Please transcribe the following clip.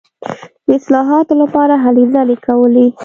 د اصلاحاتو لپاره هلې ځلې کولې.